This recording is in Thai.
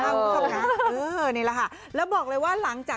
นี่แหละค่ะและบอกเลยว่า